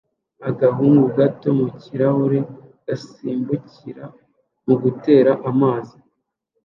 Agahungu gato mu kirahure gasimbukira mu gutera amazi